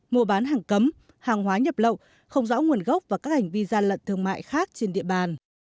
mua bán hàng cấm hàng hóa nhập lậu không rõ nguồn gốc và các hành vi gian lận thương mại khác trên địa bàn